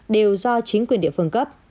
đều do chính quyền địa phương cấp